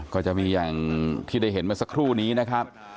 ก็จะมีอย่างที่ได้เห็นเมื่อสักครู่นี้นะครับ